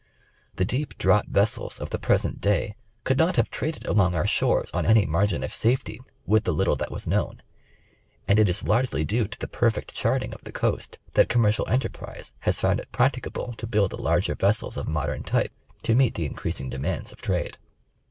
The deep draught vessels of the present day could not have traded along our shores on any margin of safety with the little that was known, and it is largely due to the perfect charting of the coast, that commercial enterprise has found it practicable to build the larger vessels of modern type to meet the increasing demands of trade.